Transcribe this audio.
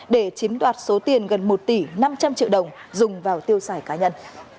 để chiếm đoạt số tiền gần một tỷ năm trăm linh triệu đồng dùng vào tiêu xài cá nhân